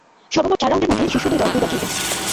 সর্বমোট চার রাউন্ডের মধ্যে শীর্ষ দুই দল দুইবার খেলবে।